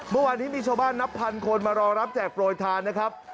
เมื่อวานนี้มีชาวบ้านนับพันคนมารอรับแจกโปรยทานนะครับ